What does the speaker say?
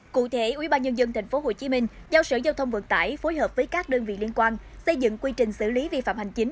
cụ thể ubnd tp hcm giao sở giao thông vận tải phối hợp với các đơn vị liên quan xây dựng quy trình xử lý vi phạm hành chính